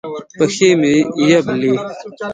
پښې مې یبلي